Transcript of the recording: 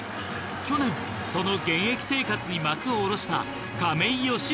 去年その現役生活に幕を下ろした。